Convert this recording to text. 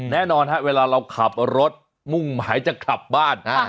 แน่นอนฮะเวลาเราขับรถมุ่งหมายจะกลับบ้าน